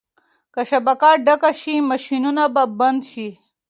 که شبکه ډکه شي ماشینونه به بند شي.